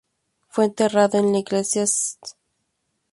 Fue enterrado en la iglesia de St.